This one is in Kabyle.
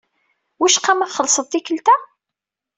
Wicqa ma txellṣeḍ tikelt-a?